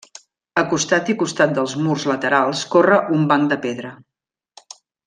A costat i costat dels murs laterals corre un banc de pedra.